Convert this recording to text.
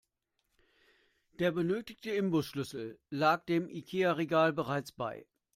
Der benötigte Imbusschlüssel lag dem Ikea-Regal bereits bei.